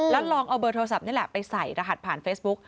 แล้วลองเอาเบอร์โทรศัพท์นี่แหละไปใส่รหัสผ่านเฟซบุ๊ก